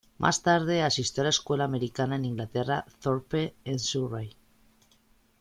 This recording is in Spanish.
Más tarde asistió a la escuela americana en Inglaterra "Thorpe" en Surrey.